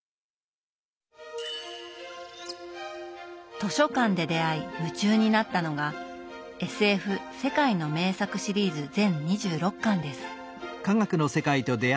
図書館で出会い夢中になったのが「ＳＦ世界の名作」シリーズ全２６巻です。